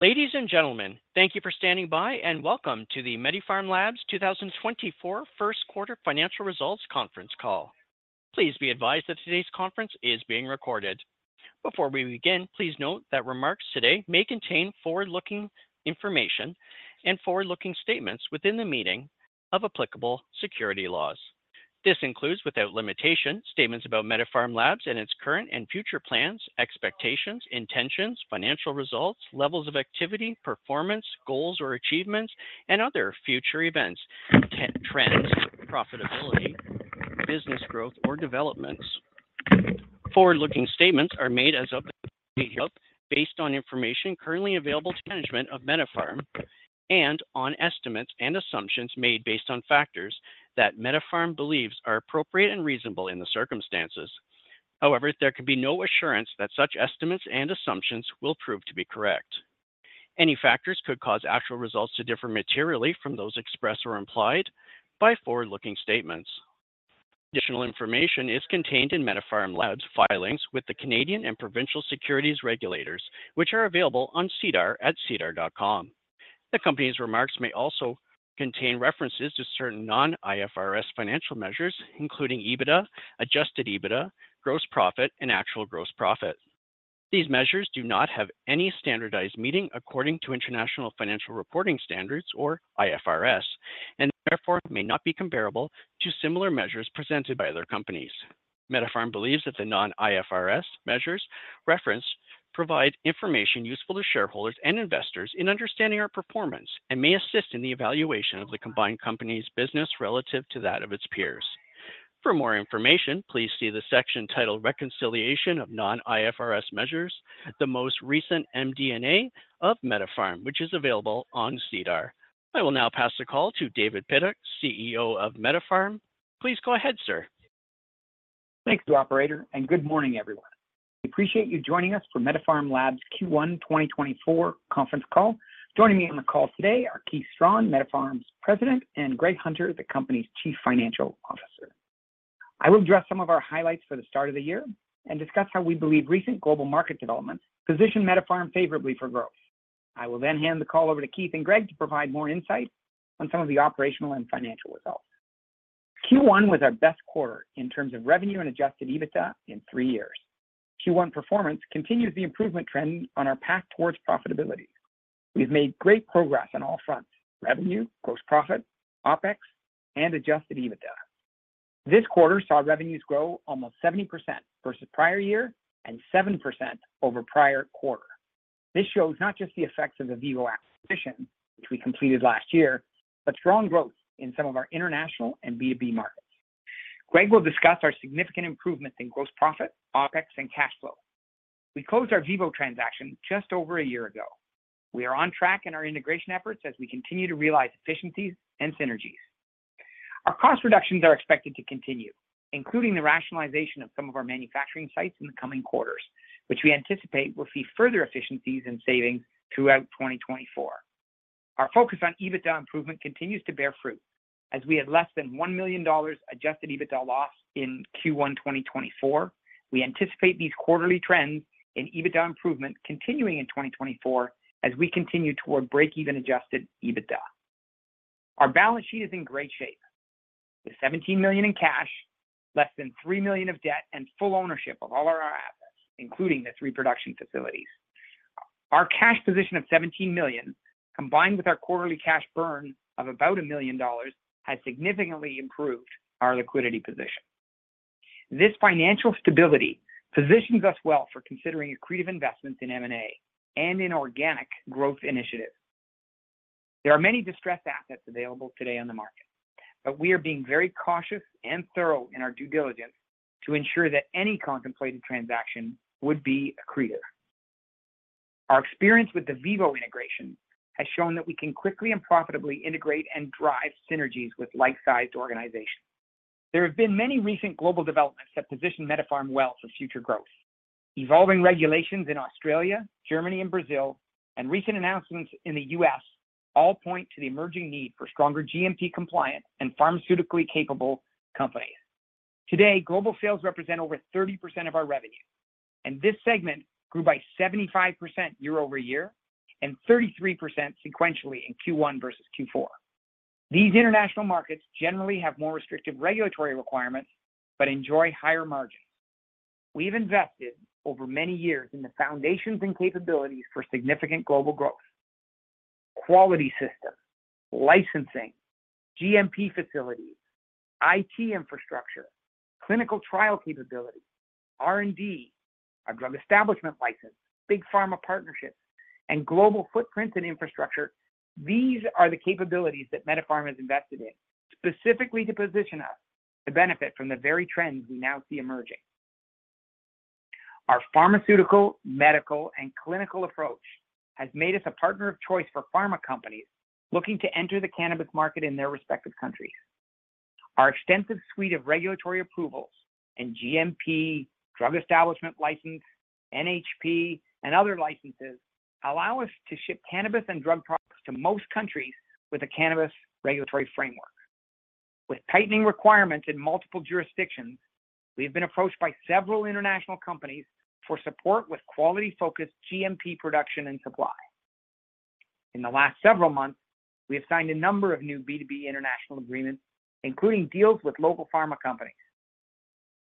Ladies and gentlemen, thank you for standing by and welcome to the MediPharm Labs 2024 First Quarter Financial Results Conference call. Please be advised that today's conference is being recorded. Before we begin, please note that remarks today may contain forward-looking information and forward-looking statements within the meaning of applicable securities laws. This includes, without limitation, statements about MediPharm Labs and its current and future plans, expectations, intentions, financial results, levels of activity, performance, goals or achievements, and other future events, trends, profitability, business growth, or developments. Forward-looking statements are made as of today based on information currently available to management of MediPharm and on estimates and assumptions made based on factors that MediPharm believes are appropriate and reasonable in the circumstances. However, there can be no assurance that such estimates and assumptions will prove to be correct. Any factors could cause actual results to differ materially from those expressed or implied by forward-looking statements. Additional information is contained in MediPharm Labs filings with the Canadian and provincial securities regulators, which are available on SEDAR at sedar.com. The company's remarks may also contain references to certain non-IFRS financial measures, including EBITDA, adjusted EBITDA, gross profit, and actual gross profit. These measures do not have any standardized meaning according to International Financial Reporting Standards, or IFRS, and therefore may not be comparable to similar measures presented by other companies. MediPharm believes that the non-IFRS measures referenced provide information useful to shareholders and investors in understanding our performance and may assist in the evaluation of the combined company's business relative to that of its peers. For more information, please see the section titled "Reconciliation of Non-IFRS Measures: The Most Recent MD&A of MediPharm," which is available on SEDAR. I will now pass the call to David Pidduck, CEO of MediPharm. Please go ahead, sir. Thanks, operator, and good morning, everyone. We appreciate you joining us for MediPharm Labs Q1 2024 conference call. Joining me on the call today are Keith Strachan, MediPharm's President, and Greg Hunter, the company's Chief Financial Officer. I will address some of our highlights for the start of the year and discuss how we believe recent global market developments position MediPharm favorably for growth. I will then hand the call over to Keith and Greg to provide more insight on some of the operational and financial results. Q1 was our best quarter in terms of revenue and adjusted EBITDA in three years. Q1 performance continues the improvement trend on our path towards profitability. We've made great progress on all fronts: revenue, gross profit, OpEx, and adjusted EBITDA. This quarter saw revenues grow almost 70% versus prior year and 7% over prior quarter. This shows not just the effects of the VIVO acquisition, which we completed last year, but strong growth in some of our international and B2B markets. Greg will discuss our significant improvements in gross profit, OpEx, and cash flow. We closed our VIVO transaction just over a year ago. We are on track in our integration efforts as we continue to realize efficiencies and synergies. Our cost reductions are expected to continue, including the rationalization of some of our manufacturing sites in the coming quarters, which we anticipate will see further efficiencies and savings throughout 2024. Our focus on EBITDA improvement continues to bear fruit. As we had less than 1 million dollars adjusted EBITDA loss in Q1 2024, we anticipate these quarterly trends in EBITDA improvement continuing in 2024 as we continue toward break-even adjusted EBITDA. Our balance sheet is in great shape, with 17 million in cash, less than 3 million of debt, and full ownership of all our assets, including the three production facilities. Our cash position of 17 million, combined with our quarterly cash burn of about 1 million dollars, has significantly improved our liquidity position. This financial stability positions us well for considering accretive investments in M&A and in organic growth initiatives. There are many distressed assets available today on the market, but we are being very cautious and thorough in our due diligence to ensure that any contemplated transaction would be accretive. Our experience with the VIVO integration has shown that we can quickly and profitably integrate and drive synergies with like-sized organizations. There have been many recent global developments that position MediPharm well for future growth. Evolving regulations in Australia, Germany, and Brazil, and recent announcements in the U.S. All point to the emerging need for stronger GMP-compliant and pharmaceutically capable companies. Today, global sales represent over 30% of our revenue, and this segment grew by 75% year-over-year and 33% sequentially in Q1 versus Q4. These international markets generally have more restrictive regulatory requirements but enjoy higher margins. We have invested over many years in the foundations and capabilities for significant global growth: quality systems, licensing, GMP facilities, IT infrastructure, clinical trial capability, R&D, our Drug Establishment License, big pharma partnerships, and global footprint and infrastructure. These are the capabilities that MediPharm has invested in specifically to position us to benefit from the very trends we now see emerging. Our pharmaceutical, medical, and clinical approach has made us a partner of choice for pharma companies looking to enter the cannabis market in their respective countries. Our extensive suite of regulatory approvals and GMP, drug establishment license, NHP, and other licenses allow us to ship cannabis and drug products to most countries with a cannabis regulatory framework. With tightening requirements in multiple jurisdictions, we have been approached by several international companies for support with quality-focused GMP production and supply. In the last several months, we have signed a number of new B2B international agreements, including deals with local pharma companies.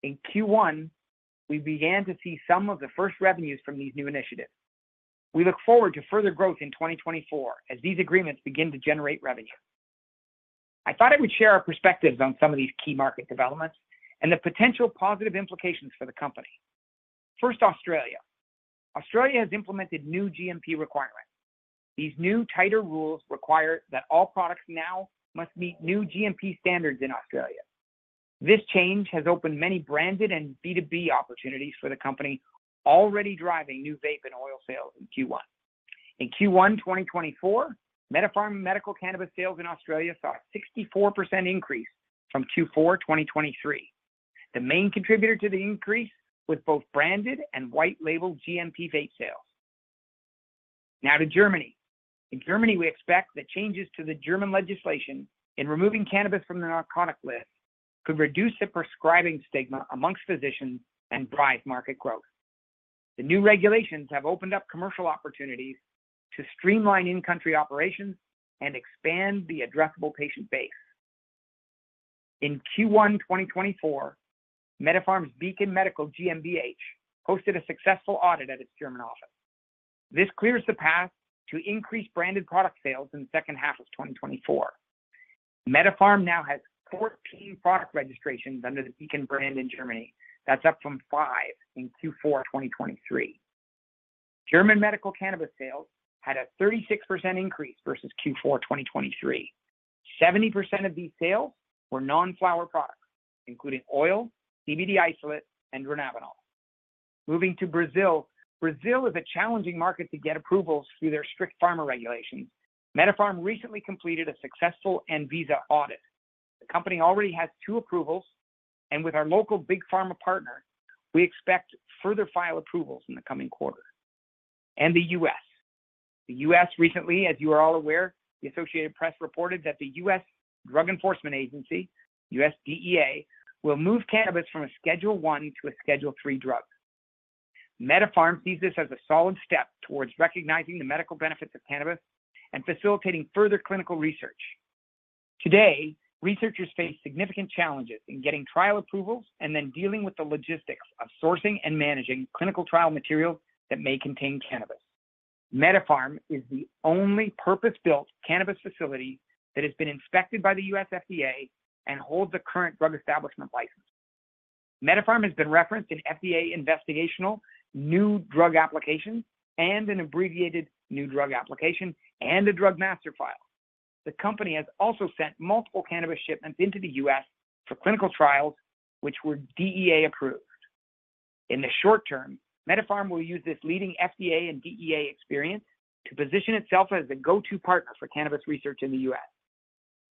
In Q1, we began to see some of the first revenues from these new initiatives. We look forward to further growth in 2024 as these agreements begin to generate revenue. I thought I would share our perspectives on some of these key market developments and the potential positive implications for the company. First, Australia. Australia has implemented new GMP requirements. These new, tighter rules require that all products now must meet new GMP standards in Australia. This change has opened many branded and B2B opportunities for the company, already driving new vape and oil sales in Q1. In Q1 2024, MediPharm medical cannabis sales in Australia saw a 64% increase from Q4 2023, the main contributor to the increase with both branded and white-label GMP vape sales. Now to Germany. In Germany, we expect that changes to the German legislation in removing cannabis from the narcotic list could reduce the prescribing stigma among physicians and drive market growth. The new regulations have opened up commercial opportunities to streamline in-country operations and expand the addressable patient base. In Q1 2024, MediPharm's Beacon Medical GmbH hosted a successful audit at its German office. This clears the path to increased branded product sales in the second half of 2024. MediPharm now has 14 product registrations under the Beacon brand in Germany. That's up from 5 in Q4 2023. German medical cannabis sales had a 36% increase versus Q4 2023. 70% of these sales were non-flower products, including oil, CBD isolate, and dronabinol. Moving to Brazil, Brazil is a challenging market to get approvals through their strict pharma regulations. MediPharm recently completed a successful ANVISA audit. The company already has two approvals, and with our local big pharma partner, we expect further file approvals in the coming quarter. The U.S. recently, as you are all aware, the Associated Press reported that the U.S. Drug Enforcement Agency, U.S. DEA, will move cannabis from a Schedule I to a Schedule III drug. MediPharm sees this as a solid step towards recognizing the medical benefits of cannabis and facilitating further clinical research. Today, researchers face significant challenges in getting trial approvals and then dealing with the logistics of sourcing and managing clinical trial materials that may contain cannabis. MediPharm is the only purpose-built cannabis facility that has been inspected by the U.S. FDA and holds a current Drug Establishment License. MediPharm has been referenced in FDA Investigational New Drug Applications and an Abbreviated New Drug Application and a Drug Master File. The company has also sent multiple cannabis shipments into the U.S. for clinical trials, which were DEA-approved. In the short term, MediPharm will use this leading FDA and DEA experience to position itself as a go-to partner for cannabis research in the U.S.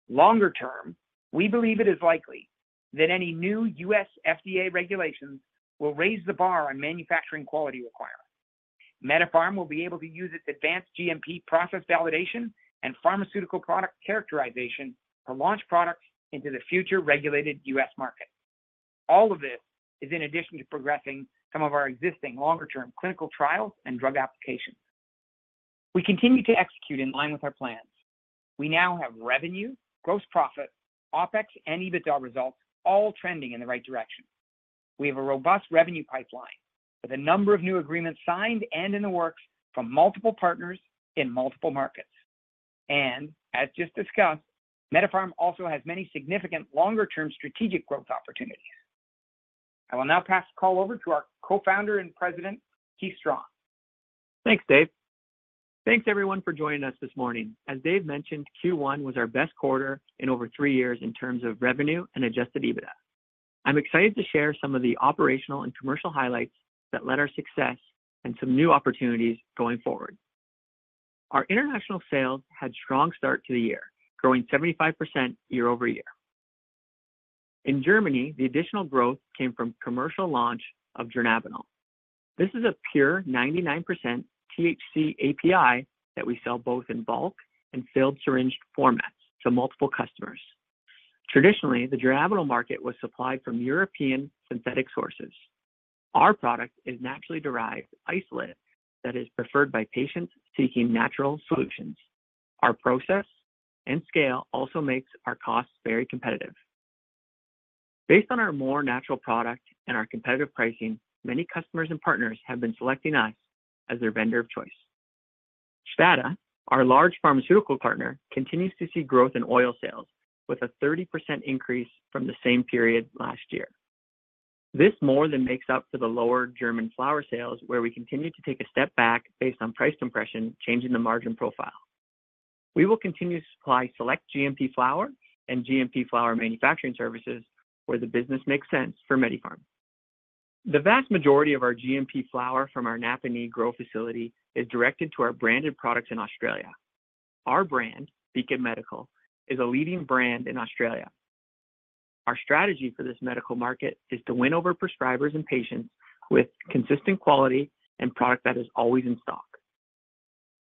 Longer term, we believe it is likely that any new U.S. FDA regulations will raise the bar on manufacturing quality requirements. MediPharm will be able to use its advanced GMP process validation and pharmaceutical product characterization to launch products into the future regulated U.S. market. All of this is in addition to progressing some of our existing longer-term clinical trials and drug applications. We continue to execute in line with our plans. We now have revenue, gross profit, OpEx, and EBITDA results all trending in the right direction. We have a robust revenue pipeline with a number of new agreements signed and in the works from multiple partners in multiple markets. As just discussed, MediPharm also has many significant longer-term strategic growth opportunities. I will now pass the call over to our Co-founder and President, Keith Strachan. Thanks, Dave. Thanks, everyone, for joining us this morning. As Dave mentioned, Q1 was our best quarter in over three years in terms of revenue and Adjusted EBITDA. I'm excited to share some of the operational and commercial highlights that led our success and some new opportunities going forward. Our international sales had a strong start to the year, growing 75% year-over-year. In Germany, the additional growth came from commercial launch of dronabinol. This is a pure 99% THC API that we sell both in bulk and filled syringe formats to multiple customers. Traditionally, the dronabinol market was supplied from European synthetic sources. Our product is naturally derived isolate that is preferred by patients seeking natural solutions. Our process and scale also make our costs very competitive. Based on our more natural product and our competitive pricing, many customers and partners have been selecting us as their vendor of choice. STADA, our large pharmaceutical partner, continues to see growth in oil sales with a 30% increase from the same period last year. This more than makes up for the lower German flower sales, where we continue to take a step back based on price compression changing the margin profile. We will continue to supply select GMP flower and GMP flower manufacturing services where the business makes sense for MediPharm. The vast majority of our GMP flower from our Napanee grow facility is directed to our branded products in Australia. Our brand, Beacon Medical, is a leading brand in Australia. Our strategy for this medical market is to win over prescribers and patients with consistent quality and product that is always in stock.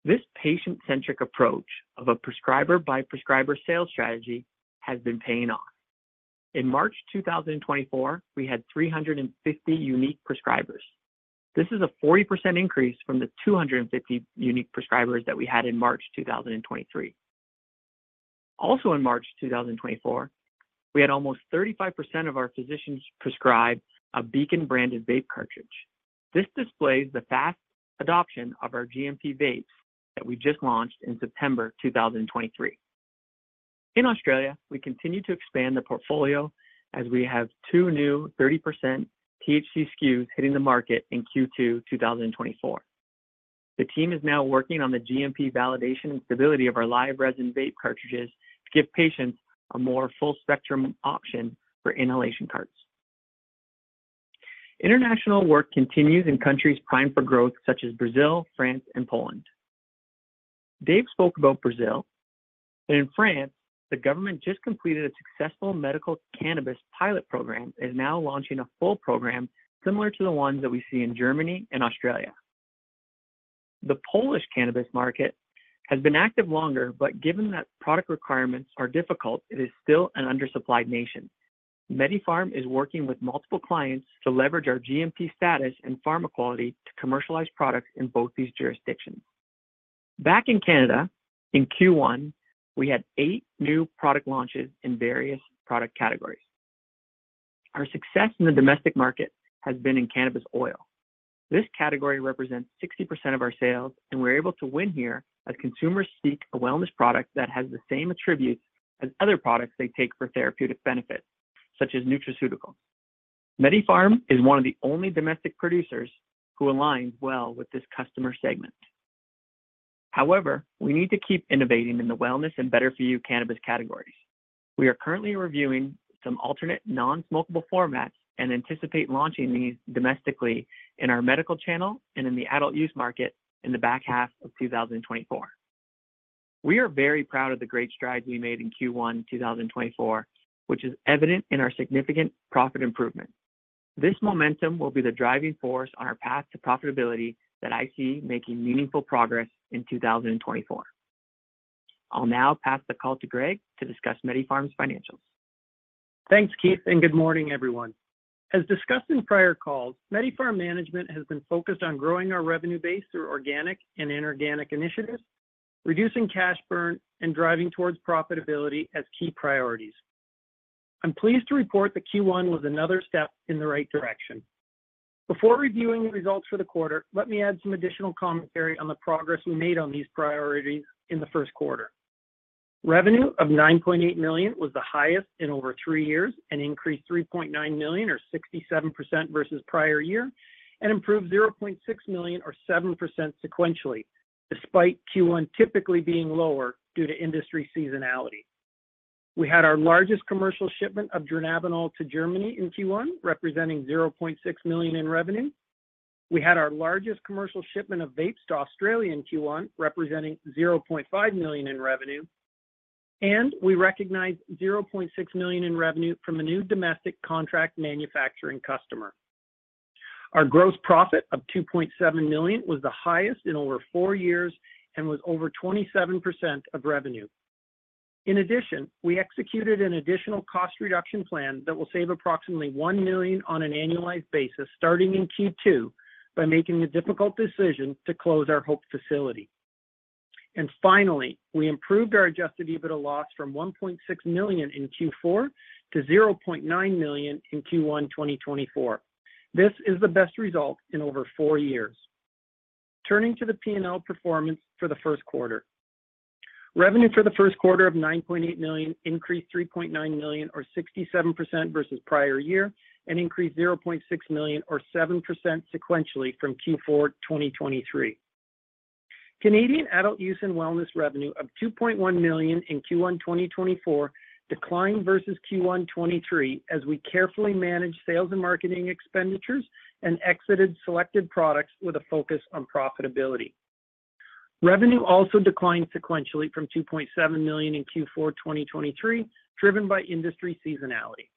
This patient-centric approach of a prescriber-by-prescriber sales strategy has been paying off. In March 2024, we had 350 unique prescribers. This is a 40% increase from the 250 unique prescribers that we had in March 2023. Also in March 2024, we had almost 35% of our physicians prescribe a Beacon branded vape cartridge. This displays the fast adoption of our GMP vapes that we just launched in September 2023. In Australia, we continue to expand the portfolio as we have two new 30% THC SKUs hitting the market in Q2 2024. The team is now working on the GMP validation and stability of our live resin vape cartridges to give patients a more full-spectrum option for inhalation carts. International work continues in countries primed for growth such as Brazil, France, and Poland. Dave spoke about Brazil. In France, the government just completed a successful medical cannabis pilot program and is now launching a full program similar to the ones that we see in Germany and Australia. The Polish cannabis market has been active longer, but given that product requirements are difficult, it is still an undersupplied nation. MediPharm is working with multiple clients to leverage our GMP status and pharma quality to commercialize products in both these jurisdictions. Back in Canada in Q1, we had eight new product launches in various product categories. Our success in the domestic market has been in cannabis oil. This category represents 60% of our sales, and we're able to win here as consumers seek a wellness product that has the same attributes as other products they take for therapeutic benefits, such as nutraceuticals. MediPharm is one of the only domestic producers who aligns well with this customer segment. However, we need to keep innovating in the wellness and better-for-you cannabis categories. We are currently reviewing some alternate non-smokable formats and anticipate launching these domestically in our medical channel and in the adult use market in the back half of 2024. We are very proud of the great strides we made in Q1 2024, which is evident in our significant profit improvement. This momentum will be the driving force on our path to profitability that I see making meaningful progress in 2024. I'll now pass the call to Greg to discuss MediPharm's financials. Thanks, Keith, and good morning, everyone. As discussed in prior calls, MediPharm management has been focused on growing our revenue base through organic and inorganic initiatives, reducing cash burn, and driving towards profitability as key priorities. I'm pleased to report that Q1 was another step in the right direction. Before reviewing the results for the quarter, let me add some additional commentary on the progress we made on these priorities in the first quarter. Revenue of 9.8 million was the highest in over three years and increased 3.9 million, or 67% versus prior year, and improved 0.6 million, or 7%, sequentially, despite Q1 typically being lower due to industry seasonality. We had our largest commercial shipment of dronabinol to Germany in Q1, representing 0.6 million in revenue. We had our largest commercial shipment of vapes to Australia in Q1, representing CAD 0.5 million in revenue. We recognized 0.6 million in revenue from a new domestic contract manufacturing customer. Our gross profit of 2.7 million was the highest in over four years and was over 27% of revenue. In addition, we executed an additional cost reduction plan that will save approximately 1 million on an annualized basis starting in Q2 by making the difficult decision to close our Hope facility. Finally, we improved our adjusted EBITDA loss from 1.6 million in Q4 to 0.9 million in Q1 2024. This is the best result in over four years. Turning to the P&L performance for the first quarter. Revenue for the first quarter of 9.8 million increased 3.9 million, or 67% versus prior year, and increased 0.6 million, or 7%, sequentially from Q4 2023. Canadian adult use and wellness revenue of 2.1 million in Q1 2024 declined versus Q1 2023 as we carefully managed sales and marketing expenditures and exited selected products with a focus on profitability. Revenue also declined sequentially from 2.7 million in Q4 2023, driven by industry seasonality.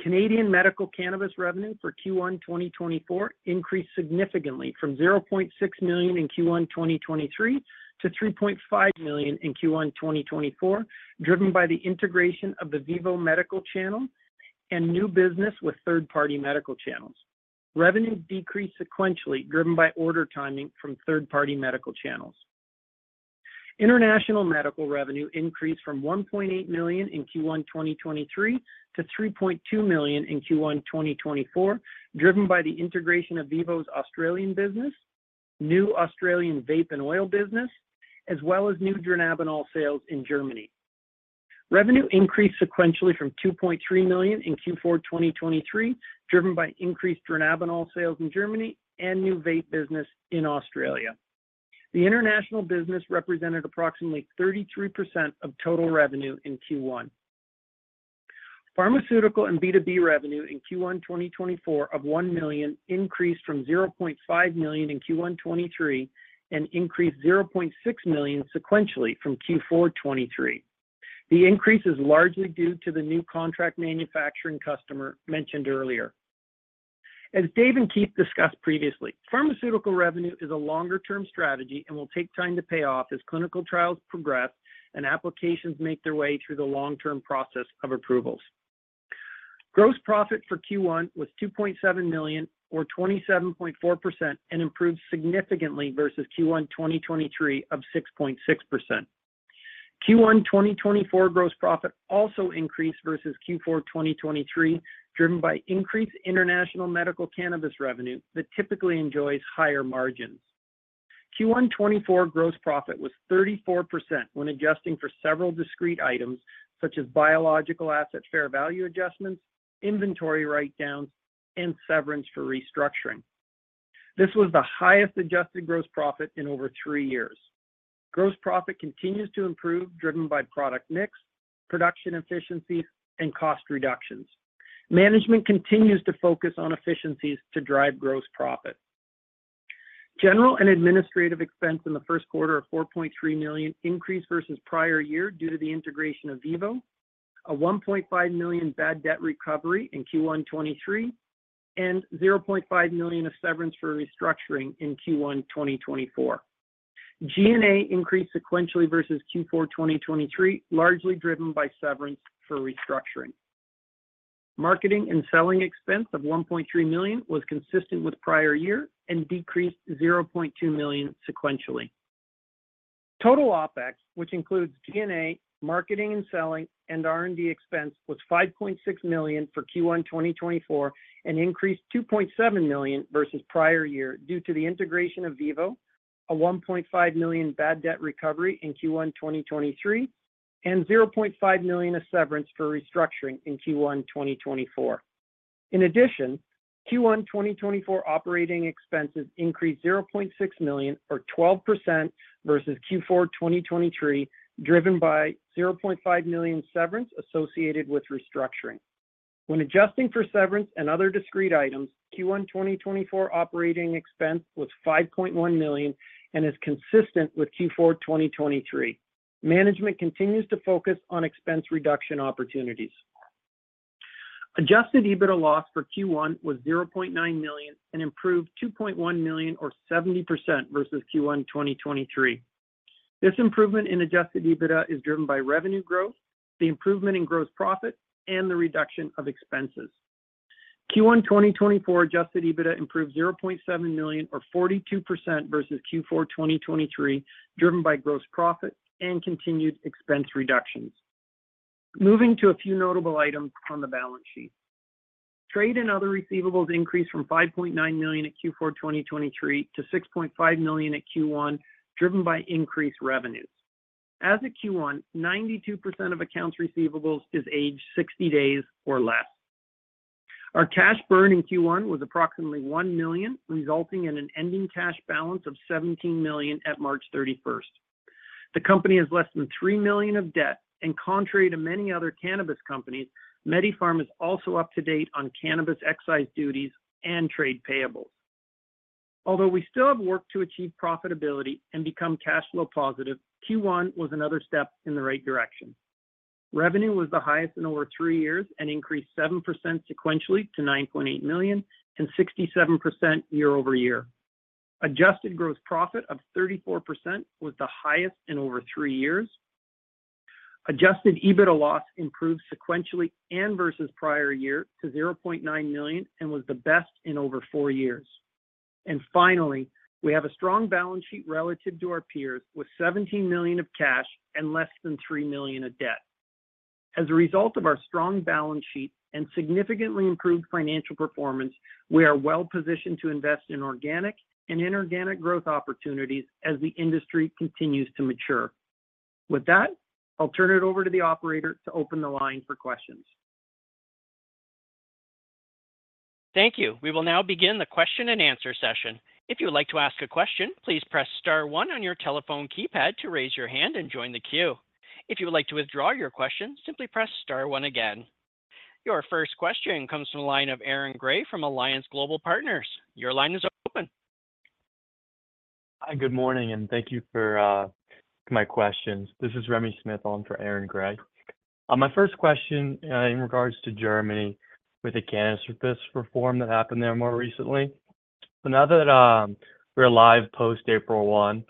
Canadian medical cannabis revenue for Q1 2024 increased significantly from 0.6 million in Q1 2023 to 3.5 million in Q1 2024, driven by the integration of the VIVO Medical Channel and new business with third-party medical channels. Revenue decreased sequentially, driven by order timing from third-party medical channels. International medical revenue increased from 1.8 million in Q1 2023 to 3.2 million in Q1 2024, driven by the integration of VIVO's Australian business, new Australian vape and oil business, as well as new dronabinol sales in Germany. Revenue increased sequentially from 2.3 million in Q4 2023, driven by increased dronabinol sales in Germany and new vape business in Australia. The international business represented approximately 33% of total revenue in Q1. Pharmaceutical and B2B revenue in Q1 2024 of 1 million increased from 0.5 million in Q1 2023 and increased 0.6 million sequentially from Q4 2023. The increase is largely due to the new contract manufacturing customer mentioned earlier. As Dave and Keith discussed previously, pharmaceutical revenue is a longer-term strategy and will take time to pay off as clinical trials progress and applications make their way through the long-term process of approvals. Gross profit for Q1 was 2.7 million, or 27.4%, and improved significantly versus Q1 2023 of 6.6%. Q1 2024 gross profit also increased versus Q4 2023, driven by increased international medical cannabis revenue that typically enjoys higher margins. Q1 2024 gross profit was 34% when adjusting for several discrete items such as biological asset fair value adjustments, inventory write-downs, and severance for restructuring. This was the highest adjusted gross profit in over three years. Gross profit continues to improve, driven by product mix, production efficiency, and cost reductions. Management continues to focus on efficiencies to drive gross profit. General and administrative expense in the first quarter of 4.3 million increased versus prior year due to the integration of VIVO, a 1.5 million bad debt recovery in Q1 2023, and 0.5 million of severance for restructuring in Q1 2024. G&A increased sequentially versus Q4 2023, largely driven by severance for restructuring. Marketing and selling expense of 1.3 million was consistent with prior year and decreased 0.2 million sequentially. Total OpEx, which includes G&A, marketing and selling, and R&D expense, was 5.6 million for Q1 2024 and increased 2.7 million versus prior year due to the integration of VIVO, a 1.5 million bad debt recovery in Q1 2023, and 0.5 million of severance for restructuring in Q1 2024. In addition, Q1 2024 operating expenses increased 0.6 million, or 12%, versus Q4 2023, driven by 0.5 million severance associated with restructuring. When adjusting for severance and other discrete items, Q1 2024 operating expense was 5.1 million and is consistent with Q4 2023. Management continues to focus on expense reduction opportunities. Adjusted EBITDA loss for Q1 was 0.9 million and improved 2.1 million, or 70%, versus Q1 2023. This improvement in adjusted EBITDA is driven by revenue growth, the improvement in gross profit, and the reduction of expenses. Q1 2024 adjusted EBITDA improved 0.7 million, or 42%, versus Q4 2023, driven by gross profit and continued expense reductions. Moving to a few notable items on the balance sheet. Trade and other receivables increased from 5.9 million at Q4 2023 to 6.5 million at Q1, driven by increased revenues. As of Q1, 92% of accounts receivables is aged 60 days or less. Our cash burn in Q1 was approximately 1 million, resulting in an ending cash balance of 17 million at March 31st. The company has less than 3 million of debt, and contrary to many other cannabis companies, MediPharm is also up to date on cannabis excise duties and trade payables. Although we still have work to achieve profitability and become cash flow positive, Q1 was another step in the right direction. Revenue was the highest in over three years and increased 7% sequentially to 9.8 million and 67% year-over-year. Adjusted gross profit of 34% was the highest in over three years. Adjusted EBITDA loss improved sequentially and versus prior year to 0.9 million and was the best in over four years. And finally, we have a strong balance sheet relative to our peers with 17 million of cash and less than 3 million of debt. As a result of our strong balance sheet and significantly improved financial performance, we are well positioned to invest in organic and inorganic growth opportunities as the industry continues to mature. With that, I'll turn it over to the operator to open the line for questions. Thank you. We will now begin the question and answer session. If you would like to ask a question, please press star one on your telephone keypad to raise your hand and join the queue. If you would like to withdraw your question, simply press star one again. Your first question comes from the line of Aaron Gray from Alliance Global Partners. Your line is open. Hi, good morning, and thank you for my questions. This is Remy Smith. I'm for Aaron Gray. My first question in regards to Germany with the cannabis reform that happened there more recently. So now that we're live post-April 1,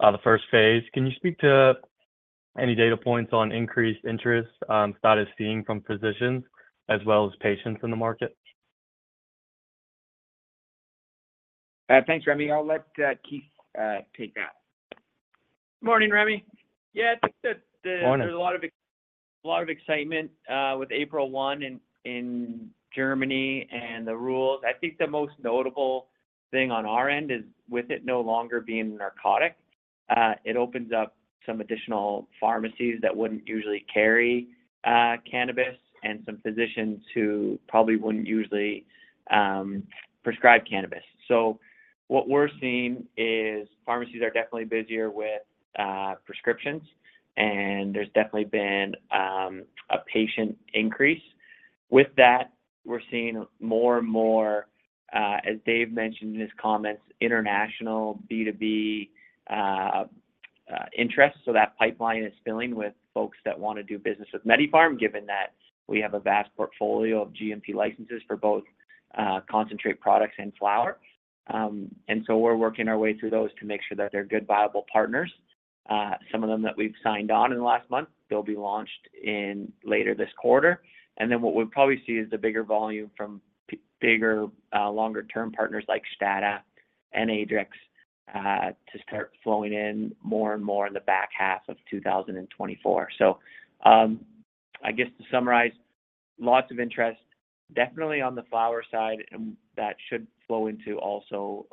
the first phase, can you speak to any data points on increased interest that is seen from physicians as well as patients in the market? Thanks, Remy. I'll let Keith take that. Good morning, Remy. Yeah, I think that there's a lot of excitement with April 1 in Germany and the rules. I think the most notable thing on our end is with it no longer being narcotic, it opens up some additional pharmacies that wouldn't usually carry cannabis and some physicians who probably wouldn't usually prescribe cannabis. So what we're seeing is pharmacies are definitely busier with prescriptions, and there's definitely been a patient increase. With that, we're seeing more and more, as Dave mentioned in his comments, international B2B interest. So that pipeline is filling with folks that want to do business with MediPharm, given that we have a vast portfolio of GMP licenses for both concentrate products and flower. And so we're working our way through those to make sure that they're good, viable partners. Some of them that we've signed on in the last month, they'll be launched later this quarter. Then what we'll probably see is the bigger volume from bigger, longer-term partners like STADA and Adrex to start flowing in more and more in the back half of 2024. So I guess to summarize, lots of interest, definitely on the Flower side, and that should flow into also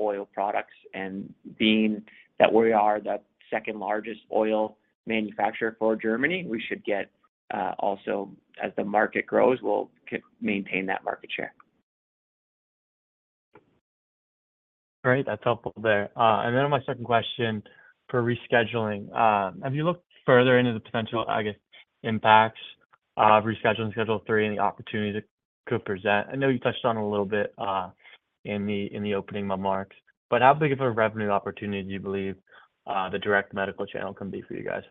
oil products. And being that we are the second-largest oil manufacturer for Germany, we should get also, as the market grows, we'll maintain that market share. Great. That's helpful there. And then on my second question for rescheduling, have you looked further into the potential, I guess, impacts of rescheduling Schedule 3 and the opportunities it could present? I know you touched on it a little bit in the opening remarks, but how big of a revenue opportunity do you believe the direct medical channel can be for you guys?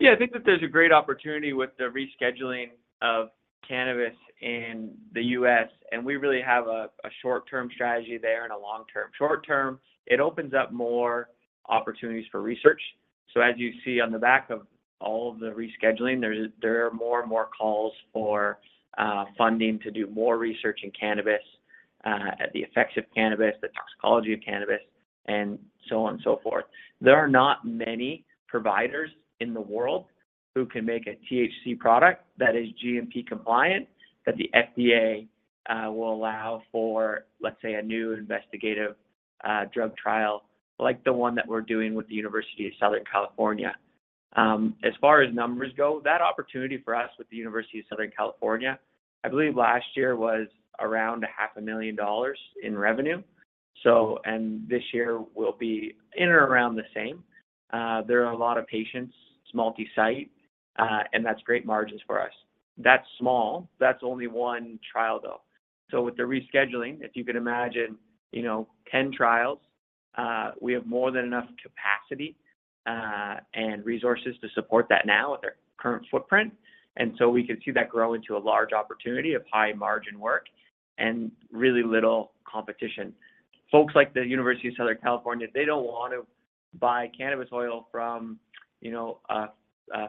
Yeah, I think that there's a great opportunity with the rescheduling of cannabis in the U.S., and we really have a short-term strategy there and a long-term. Short-term, it opens up more opportunities for research. So as you see on the back of all of the rescheduling, there are more and more calls for funding to do more research in cannabis, the effects of cannabis, the toxicology of cannabis, and so on and so forth. There are not many providers in the world who can make a THC product that is GMP compliant that the FDA will allow for, let's say, a new investigative drug trial like the one that we're doing with the University of Southern California. As far as numbers go, that opportunity for us with the University of Southern California, I believe last year was around $500,000 in revenue, and this year will be in or around the same. There are a lot of patients. It's multi-site, and that's great margins for us. That's small. That's only one trial, though. So with the rescheduling, if you can imagine 10 trials, we have more than enough capacity and resources to support that now with our current footprint. And so we can see that grow into a large opportunity of high-margin work and really little competition. Folks like the University of Southern California, they don't want to buy cannabis oil from a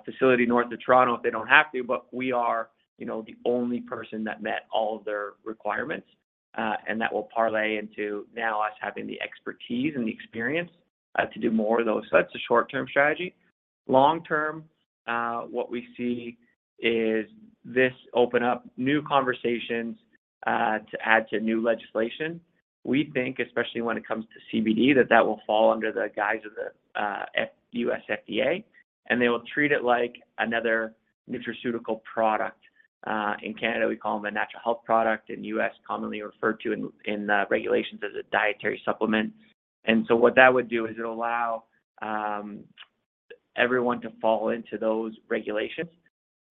facility north of Toronto if they don't have to, but we are the only person that met all of their requirements. And that will parlay into now us having the expertise and the experience to do more of those. So that's a short-term strategy. Long-term, what we see is this open up new conversations to add to new legislation. We think, especially when it comes to CBD, that that will fall under the guise of the U.S. FDA, and they will treat it like another nutraceutical product. In Canada, we call them a natural health product. In the U.S., commonly referred to in regulations as a dietary supplement. And so what that would do is it'll allow everyone to fall into those regulations.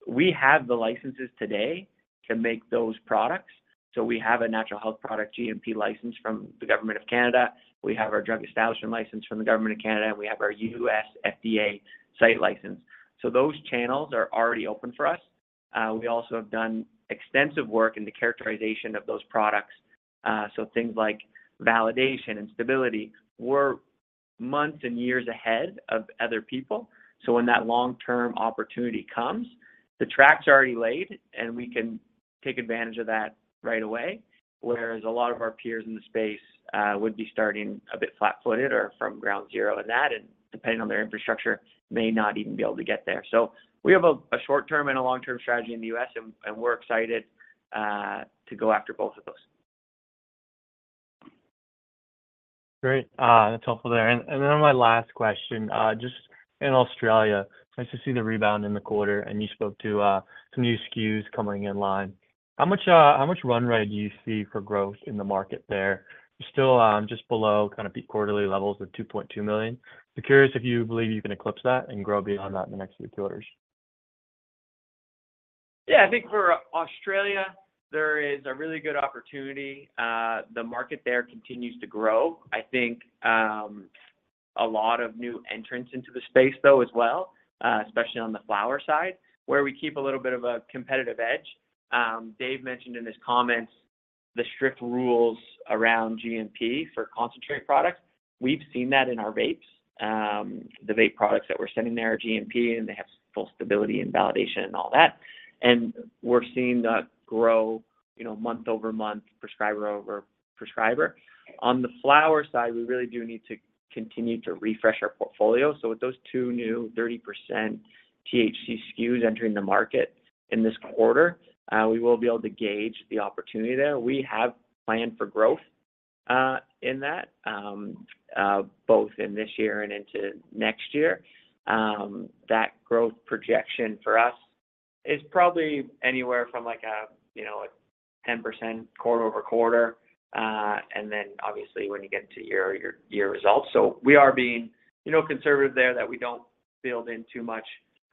We have the licenses today to make those products. So we have a natural health product GMP license from the Government of Canada. We have our drug establishment license from the Government of Canada, and we have our U.S. FDA site license. So those channels are already open for us. We also have done extensive work in the characterization of those products. So things like validation and stability, we're months and years ahead of other people. So when that long-term opportunity comes, the track's already laid, and we can take advantage of that right away, whereas a lot of our peers in the space would be starting a bit flat-footed or from ground zero in that, and depending on their infrastructure, may not even be able to get there. So we have a short-term and a long-term strategy in the U.S., and we're excited to go after both of those. Great. That's helpful there. And then on my last question, just in Australia, nice to see the rebound in the quarter, and you spoke to some new SKUs coming in line. How much runway do you see for growth in the market there? You're still just below kind of quarterly levels of 2.2 million. I'm curious if you believe you can eclipse that and grow beyond that in the next few quarters. Yeah, I think for Australia, there is a really good opportunity. The market there continues to grow. I think a lot of new entrants into the space, though, as well, especially on the flower side, where we keep a little bit of a competitive edge. Dave mentioned in his comments the strict rules around GMP for concentrate products. We've seen that in our vapes. The vape products that we're sending there are GMP, and they have full stability and validation and all that. And we're seeing that grow month-over-month, prescriber over prescriber. On the flower side, we really do need to continue to refresh our portfolio. So with those two new 30% THC SKUs entering the market in this quarter, we will be able to gauge the opportunity there. We have planned for growth in that, both in this year and into next year. That growth projection for us is probably anywhere from a 10% quarter-over-quarter, and then obviously when you get into year-over-year results. So we are being conservative there that we don't build in too much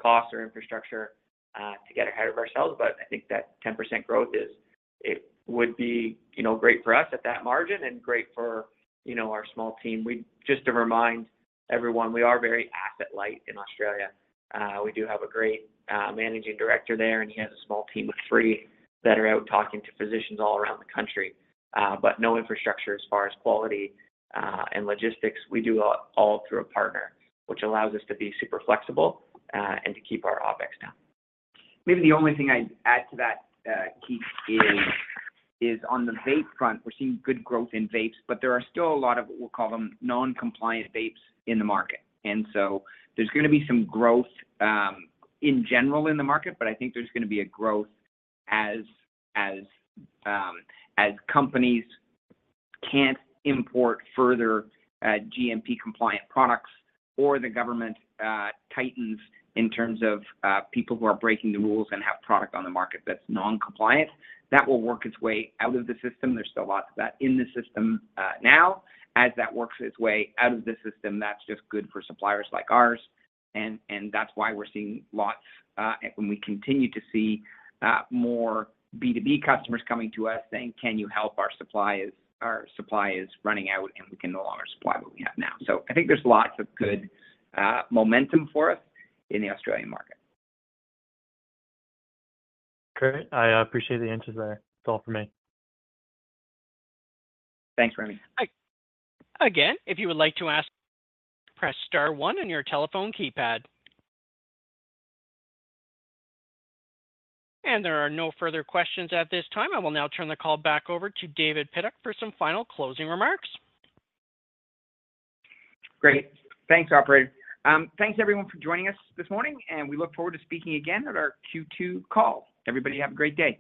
cost or infrastructure to get ahead of ourselves. But I think that 10% growth, it would be great for us at that margin and great for our small team. Just to remind everyone, we are very asset-light in Australia. We do have a great managing director there, and he has a small team of three that are out talking to physicians all around the country. But no infrastructure as far as quality and logistics. We do all through a partner, which allows us to be super flexible and to keep our OpEx down. Maybe the only thing I'd add to that, Keith, is on the vape front, we're seeing good growth in vapes, but there are still a lot of what we'll call them non-compliant vapes in the market. And so there's going to be some growth in general in the market, but I think there's going to be a growth as companies can't import further GMP-compliant products or the government tightens in terms of people who are breaking the rules and have product on the market that's non-compliant. That will work its way out of the system. There's still lots of that in the system now. As that works its way out of the system, that's just good for suppliers like ours. And that's why we're seeing lots when we continue to see more B2B customers coming to us saying, "Can you help? “Our supply is running out, and we can no longer supply what we have now.” So I think there’s lots of good momentum for us in the Australian market. Great. I appreciate the answers there. That's all from me. Thanks, Remy. Again, if you would like to ask, press star one on your telephone keypad. There are no further questions at this time. I will now turn the call back over to David Pidduck for some final closing remarks. Great. Thanks, operator. Thanks, everyone, for joining us this morning, and we look forward to speaking again at our Q2 call. Everybody have a great day.